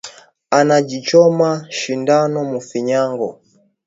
Ana ji choma shindano mu finyango